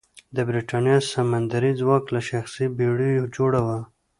د برېتانیا سمندري ځواک له شخصي بېړیو جوړه وه.